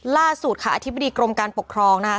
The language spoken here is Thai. ล่าสุดค่ะอธิบดีกรมการปกครองนะคะ